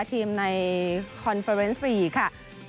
ทีมในคอนเฟอร์เนสฟรีค่ะ